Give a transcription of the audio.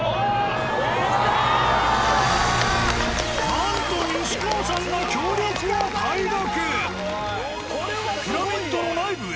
なんと「西川」さんが協力を快諾！